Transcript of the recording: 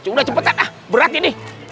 sudah cepetan ah berat ini